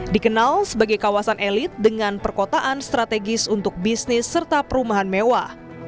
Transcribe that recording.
dikenal sebagai kawasan elit dengan perkotaan strategis untuk bisnis serta perumahan mewah